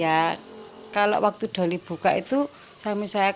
ya kalau waktu doli buka itu saya merasa senang